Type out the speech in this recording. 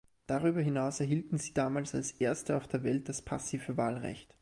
Darüber hinaus erhielten sie damals als erste auf der Welt das passive Wahlrecht.